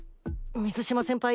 水嶋先輩